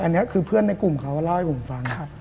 อันนี้คือเพื่อนในกลุ่มเขาก็เล่าให้ผมฟัง